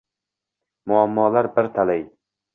Muammolar bir talay